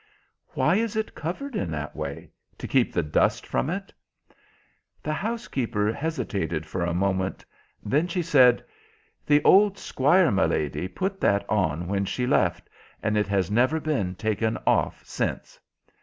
"Why is it covered in that way? To keep the dust from it?" The housekeeper hesitated for a moment; then she said— "The old Squire, my lady, put that on when she left, and it has never been taken off since."